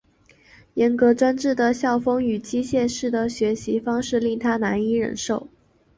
严格专制的校风与机械式的学习方式令他难以忍受。